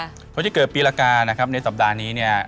คนที่เกิดปีละกานะครับในสัปดาห์นี้เนี่ย